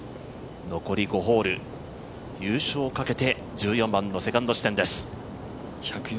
残り５ホール、優勝をかけて１４番のセカンド地点です。